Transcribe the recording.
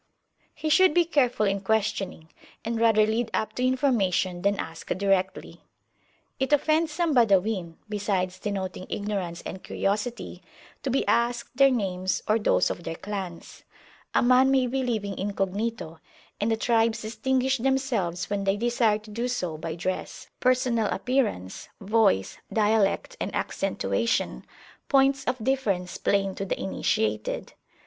He should be careful in questioning, and rather lead up [p.113] to information than ask directly. It offends some Badawin, besides denoting ignorance and curiosity, to be asked their names or those of their clans: a man may be living incognito, and the tribes distinguish themselves when they desire to do so by dress, personal appearance, voice, dialect, and accentuation, points of difference plain to the initiated.